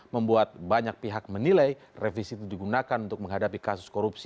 membuat banyak pihak menilai revisi itu digunakan untuk menghadapi kasus korupsi